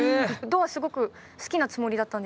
「ドアが好きなつもりだった」？